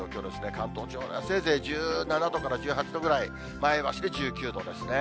関東地方、せいぜい１７度から１８度ぐらい、前橋で１９度ですね。